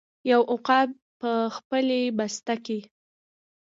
یو عقاب یې خپلې بسته کې